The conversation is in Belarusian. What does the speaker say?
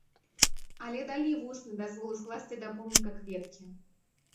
Але далі вусны дазвол ускласці да помніка кветкі.